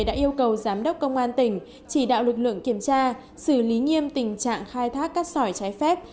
đã yêu cầu giám đốc công an tỉnh chỉ đạo lực lượng kiểm tra xử lý nghiêm tình trạng khai thác cát sỏi trái phép